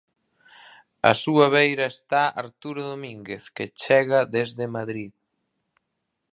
A súa beira está Arturo Domínguez, que chega desde Madrid.